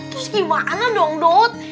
terus gimana dong dot